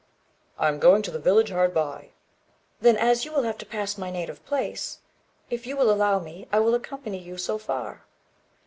"I am going to the village hard by." "Then, as you will have to pass my native place, if you will allow me, I will accompany you so far."